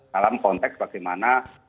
dalam konteks bagaimana